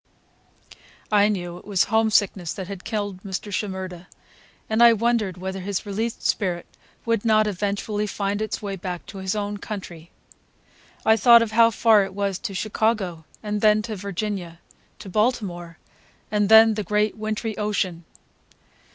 I knew it was homesickness that had killed Mr. Shimerda, and I wondered whether his released spirit would not eventually find its way back to his own country. I thought of how far it was to Chicago, and then to Virginia, to Baltimore,—and then the great wintry ocean.